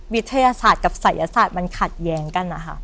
วิทยาศาสตร์กับศัยศาสตร์มันขัดแย้งกันนะคะ